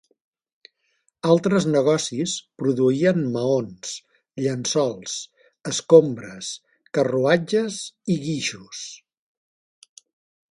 Altres negocis produïen maons, llençols, escombres, carruatges i guixos.